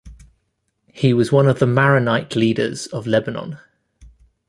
He was one of the Maronite leaders of Lebanon.